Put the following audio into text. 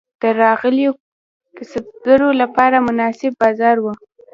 د راغلیو کسبګرو لپاره مناسب بازار و.